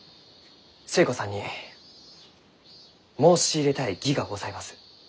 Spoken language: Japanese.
寿恵子さんに申し入れたい儀がございます。